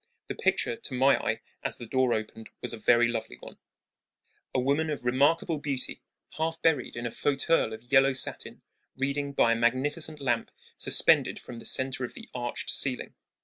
The picture, to my eye, as the door opened, was a very lovely one a woman of remarkable beauty, half buried in a fauteuil of yellow satin, reading by a magnificent lamp suspended from the center of the arched ceiling.